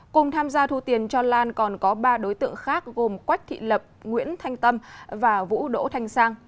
cùng tham gia thu tiền cho lan còn có ba đối tượng khác gồm quách thị lập nguyễn thanh tâm và vũ đỗ thanh sang